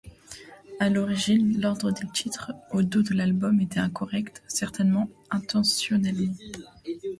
À l’origine, l’ordre des titres au dos de l'album était incorrect, certainement intentionnellement.